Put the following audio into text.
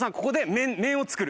面を作る。